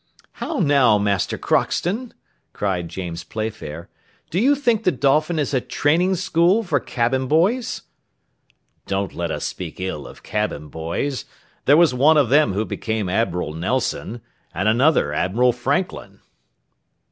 "How now, Master Crockston," cried James Playfair; "do you think the Dolphin is a training school for cabin boys?" "Don't let us speak ill of cabin boys: there was one of them who became Admiral Nelson, and another Admiral Franklin."